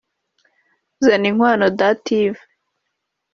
Zaninkwano Dative